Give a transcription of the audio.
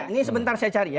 ini sebentar saya cari ya